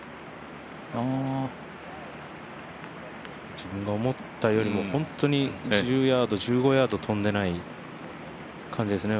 自分が思ったよりも１０ヤード、１５ヤード飛んでない感じですね。